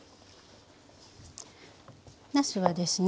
なすはですね。